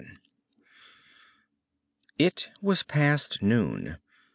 VII It was past noon.